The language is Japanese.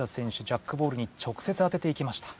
ジャックボールにちょくせつあてていきました。